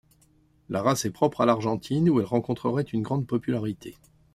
La race est propre à l'Argentine, où elle rencontrerait une grande popularité.